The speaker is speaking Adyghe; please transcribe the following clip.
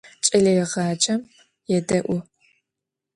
Ç'eleêğacem yêde'u.